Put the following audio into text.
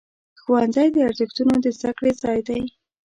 ښوونځی د ارزښتونو د زده کړې ځای دی.